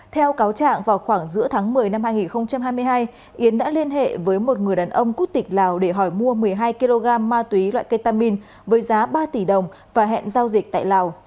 theo cáo trạng vào khoảng giữa tháng một mươi năm hai nghìn hai mươi hai yến đã liên hệ với một người đàn ông quốc tịch lào để hỏi mua một mươi hai kg ma túy loại ketamin với giá ba tỷ đồng và hẹn giao dịch tại lào